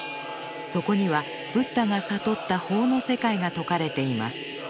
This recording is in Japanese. そこにはブッダが悟った法の世界が説かれています。